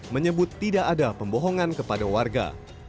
menyebut tidak ada pembohongan kepada warga